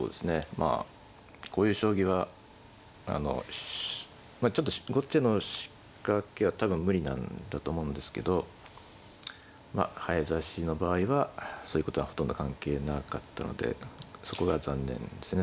まあこういう将棋はあのまあちょっと後手の仕掛けは多分無理なんだと思うんですけどまあ早指しの場合はそういうことはほとんど関係なかったのでそこが残念ですね。